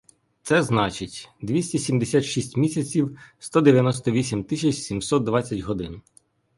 Це значить — двісті сімдесят шість місяців, сто дев'яносто вісім тисяч сімсот двадцять годин.